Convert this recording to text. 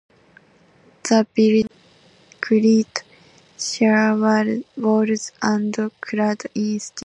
The building is stabilised by concrete shear walls and clad in steel.